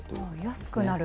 安くなる。